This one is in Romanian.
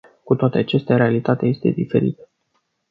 Cu toate acestea, realitatea este diferită.